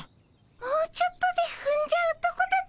もうちょっとでふんじゃうとこだっ